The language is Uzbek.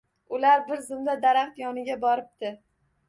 Ular bir zumda daraxt yoniga boribdi